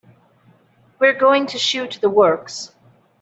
We're going to shoot the works.